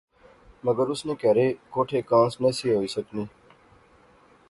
مگر اس نے کہھرے کوٹھے کانس نہسی ہوئی سکنی